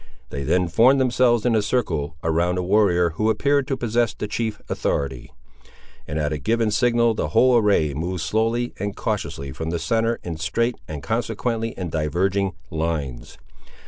They then formed themselves in a circle around a warrior, who appeared to possess the chief authority; and at a given signal the whole array moved slowly and cautiously from the centre in straight and consequently in diverging lines.